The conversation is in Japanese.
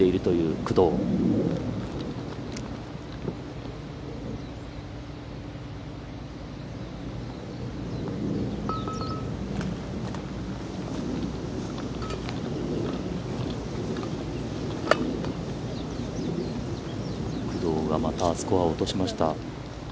工藤がまたスコアを落としました。